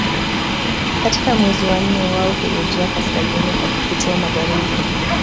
Katika mwezi wa nne wao hurejea kaskazini kwa kupitia magharibi